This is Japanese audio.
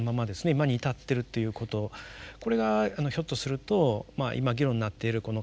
今に至っているっていうことこれがひょっとすると今議論になっているカルト問題のですね